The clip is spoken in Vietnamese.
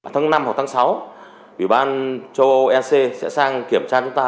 tháng năm hoặc tháng sáu ủy ban châu âu ec sẽ sang kiểm tra chúng ta